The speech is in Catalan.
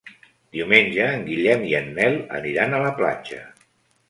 Diumenge en Guillem i en Nel aniran a la platja.